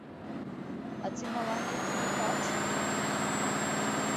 А ці мала нейкі ліхач?